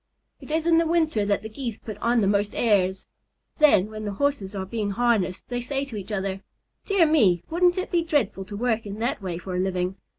It is in the winter that the Geese put on the most airs. Then, when the Horses are being harnessed, they say to each other, "Dear me! Wouldn't it be dreadful to work in that way for a living?"